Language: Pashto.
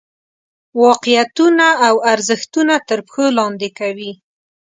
واقعیتونه او ارزښتونه تر پښو لاندې کوي.